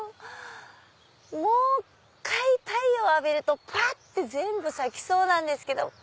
もう１回太陽を浴びるとパッて全部咲きそうなんです。